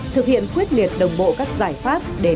thực hiện quyết liệt đồng bộ các giải pháp